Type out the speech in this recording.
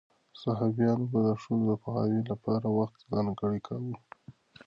صحابیانو به د ښځو د پوهاوي لپاره وخت ځانګړی کاوه.